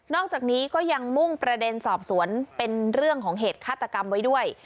อกจากนี้ก็ยังมุ่งประเด็นสอบสวนเป็นเรื่องของเหตุฆาตกรรมไว้ด้วย